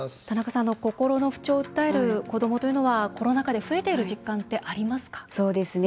田中さん心の不調を訴える子どもというのはコロナ禍で増えている実感ってありますか？